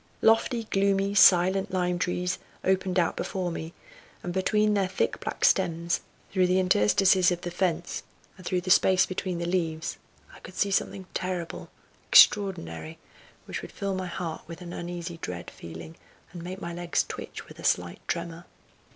Lofty, gloomy, silent lime trees opened out before me, and between their thick black stems, through the interstices of the fence, and through the space between the leaves I could see something terrible, extraordinary, which would fill my heart with an uneasy dread feeling, and make my legs twitch with a slight tremor.